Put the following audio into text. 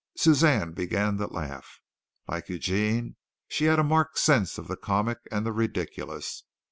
Suzanne began to laugh. Like Eugene, she had a marked sense of the comic and the ridiculous.